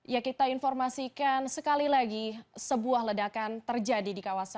ya kita informasikan sekali lagi sebuah ledakan terjadi di kawasan